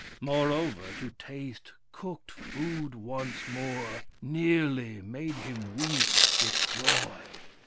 Moreover, to taste cooked food once more nearly made him weep with joy.